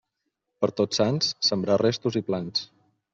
Per Tots Sants, sembrar restos i plans.